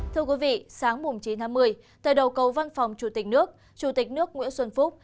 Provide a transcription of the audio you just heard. thưa quý vị sáng chín tháng một mươi tại đầu cầu văn phòng chủ tịch nước chủ tịch nước nguyễn xuân phúc